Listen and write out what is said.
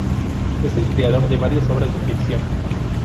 Es el creador de varias obras de ficción.